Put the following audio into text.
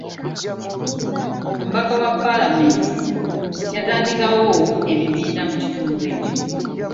Omubaka wa paalamenti yatandikawo ebibiina mu kitundu ekyo.